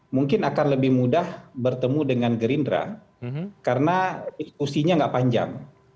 mungkin akan lebih mudah bertemu dengan gerindra karena diskusinya nggak panjang